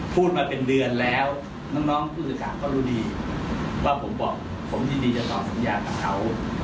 พูดมาเป็นเดือนแล้วน้องผู้สื่อข่าวก็รู้ดีว่าผมบอกผมยินดีจะตอบสัญญากับเขา